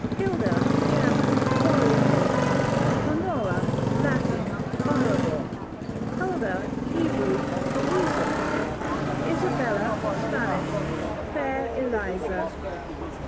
Hilda, German, warrior maiden. Honora, Latin, honourable, Huldah, Hebrew, a weazel. Isabella, Spanish, fair Eliza.